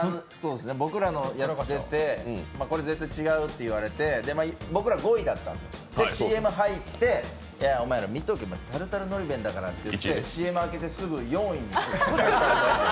僕らのやつ絶対違うって言われて僕ら５位だったんですよでＣＭ入ってお前ら、見とけ、タルタルのり弁だからって、ＣＭ明けてすぐ、４位に。